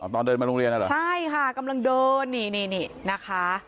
ตอนเดินมาโรงเรียนน่ะเหรอใช่ค่ะกำลังเดินนี่นี่นะคะ